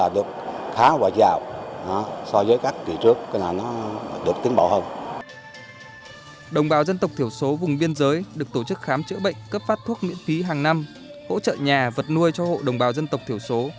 đồng bào dân tộc thiểu số vùng biên giới được tổ chức khám chữa bệnh cấp phát thuốc miễn phí hàng năm hỗ trợ nhà vật nuôi cho hộ đồng bào dân tộc thiểu số